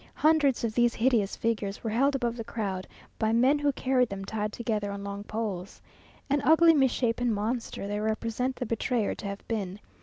Hundreds of these hideous figures were held above the crowd, by men who carried them tied together on long poles. An ugly misshapen monster they represent the betrayer to have been.